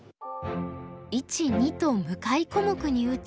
１２と向かい小目に打ち